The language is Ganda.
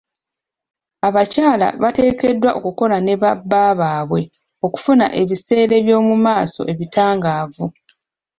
Abakyala bateekeddwa okukola ne ba bbaabwe okufuna ebiseere byomumaaso ebitangaavu.